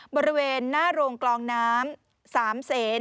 บริเวณหน้าโรงกลองน้ำ๓เซน